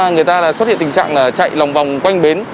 người ta xuất hiện tình trạng chạy lòng vòng quanh bến